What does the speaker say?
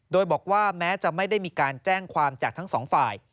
โดยบอกว่าแม้จะไม่ได้มีการแจ้งความจากทั้งสองฝ่าย